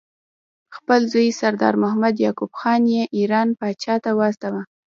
خپل زوی سردار محمد یعقوب خان یې ایران پاچا ته واستاوه.